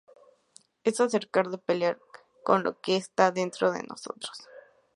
Es acerca de pelear con lo que esta dentro de nosotros.